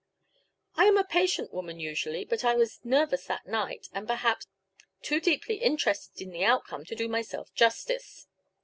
I am a patient woman usually, but I was nervous that night, and, perhaps, too deeply interested in the outcome to do myself justice.